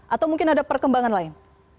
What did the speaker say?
atau mungkin ada perkembangan lain